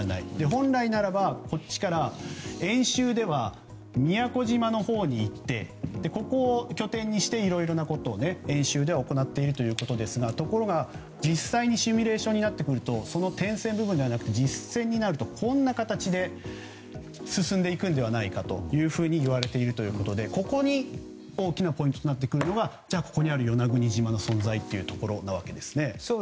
本来であればこっちから演習では宮古島のほうに行ってそこを拠点にして演習ではいろんなことを行っているということですがところが、実際にシミュレーションになってくるとその点線部分ではなくて実線になるとこんな形で進んでいくのではないかといわれているということでここで大きなポイントとなってくるのがじゃあ、ここにある与那国島の存在なわけですね。